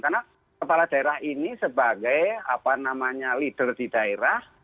karena kepala daerah ini sebagai apa namanya leader di daerah